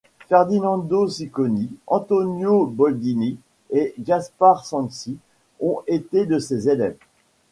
Ferdinando Cicconi, Antonio Boldini et Gaspare Sensi ont été de ses élèves.